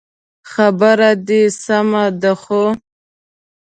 خبره دي سمه ده خو